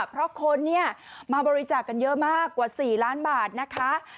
เพราะคนเนี่ยมาบริจาคกันเยอะมากกว่า๔ล้านบาทนะคะ